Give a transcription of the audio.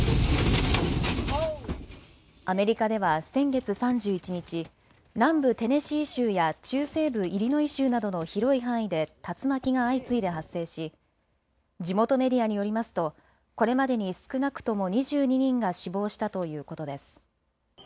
アメリカでは先月３１日、南部テネシー州や中西部イリノイ州などの広い範囲で竜巻が相次いで発生し地元メディアによりますとこれまでに少なくとも２２人が死亡したということです。